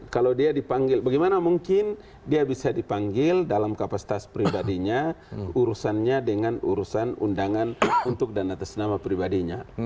kalau dia dipanggil bagaimana mungkin dia bisa dipanggil dalam kapasitas pribadinya urusannya dengan urusan undangan untuk dan atas nama pribadinya